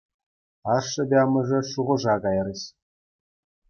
Ашшӗпе амӑшӗ шухӑша кайрӗҫ.